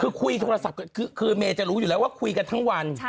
คือคุยโทรศัพท์ก็คือเมย์จะรู้อยู่แล้วว่าคุยกันทั้งวัน